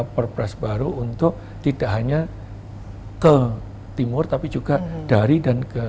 jadi ini adalah perusahaan baru untuk tidak hanya ke timur tapi juga dari dan ke